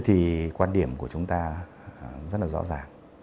thì quan điểm của chúng ta rất là rõ ràng